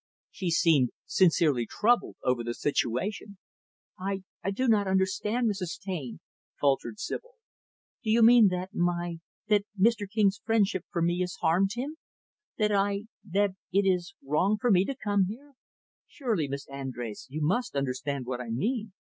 She seemed sincerely troubled over the situation. "I I do not understand, Mrs. Taine," faltered Sibyl. "Do you mean that my that Mr. King's friendship for me has harmed him? That I that it is wrong for me to come here?" "Surely, Miss Andrés, you must understand what I mean."